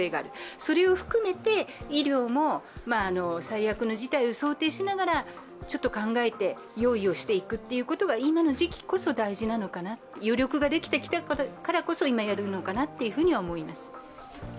それを含めて医療も最悪の事態を想定しながらちょっと考えて、用意をしていくことが今の時期こそ大事なのかな、余力ができてきたからこそ、今やるのかなと思います。